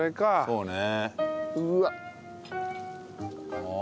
そうね。